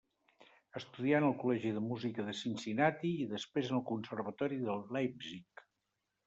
Estudià en el Col·legi de Música de Cincinnati i després en el Conservatori de Leipzig.